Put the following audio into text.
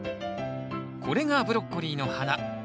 これがブロッコリーの花。